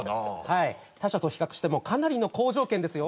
はい他社と比較してもかなりの好条件ですよ